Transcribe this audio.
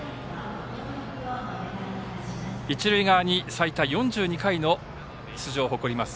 一塁側に最多４２回の出場を誇ります